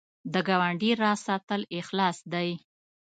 د ګاونډي راز ساتل اخلاص دی